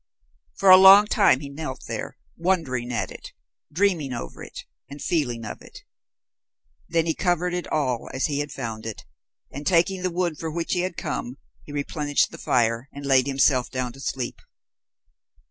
For a long time he knelt there, wondering at it, dreaming over it, and feeling of it. Then he covered it all as he had found it, and taking the wood for which he had come, he replenished the fire and laid himself down to sleep.